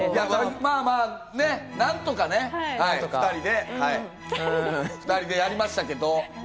まぁまぁ何とかね、２人でやりましたけど。